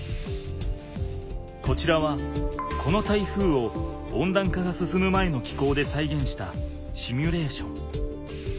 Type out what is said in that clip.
こちらはこの台風を温暖化が進む前の気候でさいげんしたシミュレーション。